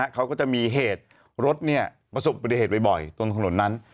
เขาก็จะมีเหตุรถประสบปฏิเหตุบ่อยตรงถนนนั้น